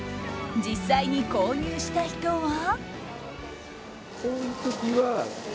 実際に購入した人は。